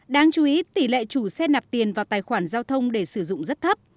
đáng chú ý tỷ lệ chủ xe nạp tiền vào tài khoản giao thông để sử dụng rất thấp